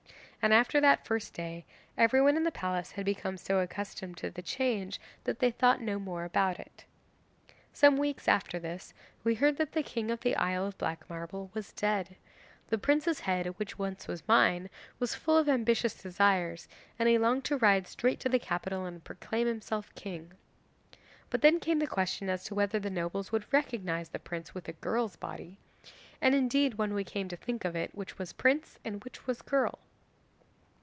And after that first day, everyone in the palace had become so accustomed to the change that they thought no more about it. 'Some weeks after this, we heard that the king of the Isle of Black Marble was dead. The prince's head, which once was mine, was full of ambitious desires, and he longed to ride straight to the capital and proclaim himself king. But then came the question as to whether the nobles would recognise the prince with a girl's body, and indeed, when we came to think of it, which was prince and which was girl?